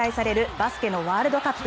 バスケのワールドカップ。